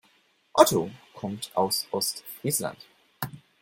Otto kommt aus Ostfriesland.